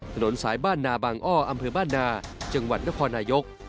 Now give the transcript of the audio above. ถนนสายบ้านน่าบางอ่ออำเผอว่าบประนะจังหวัดพรภพนิยกษ์